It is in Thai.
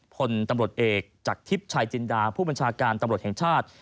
พลตำรวจเอกจากทิพย์ชายจินดาผู้บัญชาการตำรวจแห่งชาติ